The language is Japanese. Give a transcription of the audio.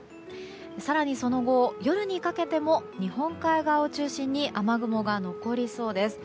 更に、その後夜にかけても日本海側を中心に雨雲が残りそうです。